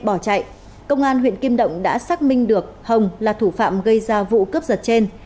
bỏ chạy công an huyện kim động đã xác minh được hồng là thủ phạm gây ra vụ cướp giật trên